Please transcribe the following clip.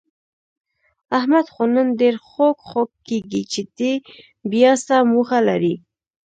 احمد خو نن ډېر خوږ خوږ کېږي، چې دی بیاڅه موخه لري؟